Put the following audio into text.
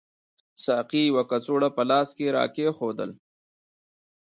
ساقي یوه کڅوړه په لاس کې راکېښودل.